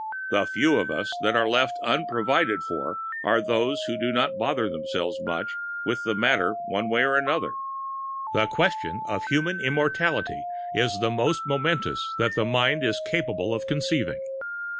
The few of us that are left unprovided for are those who don't bother themselves much about the matter, one way or another. The question of human immortality is the most momentous that the mind is capable of conceiving.